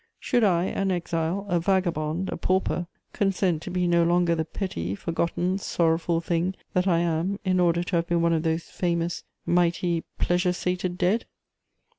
Should I, an exile, a vagabond, a pauper, consent to be no longer the petty, forgotten, sorrowful thing that I am in order to have been one of those famous, mighty, pleasure sated dead?